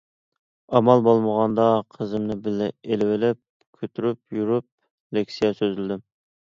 ئامال بولمىغاندا قىزىمنى بىللە ئېلىۋېلىپ، كۆتۈرۈپ يۈرۈپ لېكسىيە سۆزلىدىم.